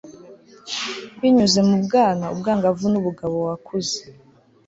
binyuze mu bwana, ubwangavu, n'ubugabo wakuze